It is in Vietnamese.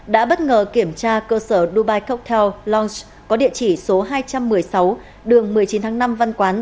đã bất ngờ kiểm tra cơ sở dubai coctel lounce có địa chỉ số hai trăm một mươi sáu đường một mươi chín tháng năm văn quán